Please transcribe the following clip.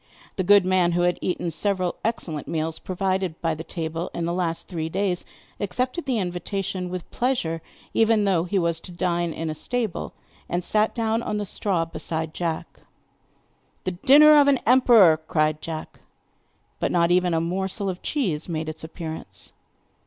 The good man, who had eaten several excellent meals provided by the table in the last three days, accepted the invitation with pleasure, even though he was to dine in a stable, and sat down on the straw beside Jack. 'The dinner of an emperor!' cried Jack. But not even a morsel of cheese made its appearance.